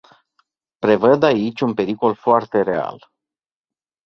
Prevăd aici un pericol foarte real.